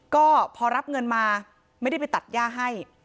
ก็พอรับเงินมาไม่ได้ไปตัดย่าให้